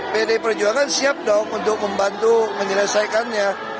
pdi perjuangan siap dong untuk membantu menyelesaikannya